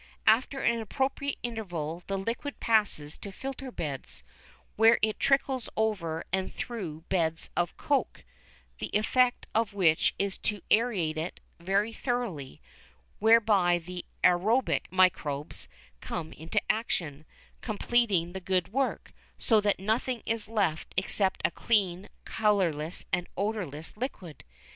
After an appropriate interval the liquid passes to filter beds, where it trickles over and through beds of coke, the effect of which is to aerate it very thoroughly, whereby the aerobic microbes come into action, completing the good work, so that nothing is left except a clean, colourless and odourless liquid.